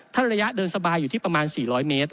ถ้าระยะเดินสบายอยู่ที่ประมาณ๔๐๐เมตร